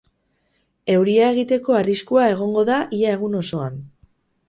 Euria egiteko arriskua egongo da ia egun osoan.